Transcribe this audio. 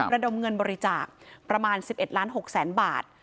ระดับเงินบริจาคประมาณ๑๑๖๐๐๐๐๐บาท